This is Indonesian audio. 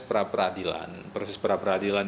pra peradilan proses pra peradilan